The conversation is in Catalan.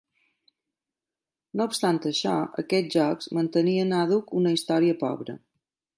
No obstant això, aquests jocs mantenien àdhuc una història pobra.